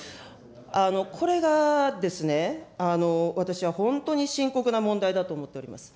これがですね、私は本当に深刻な問題だと思っております。